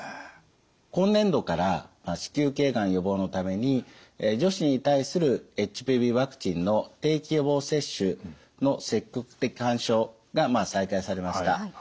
今年度から子宮頸がん予防のために女子に対するＨＰＶワクチンの定期予防接種の積極的勧奨が再開されました。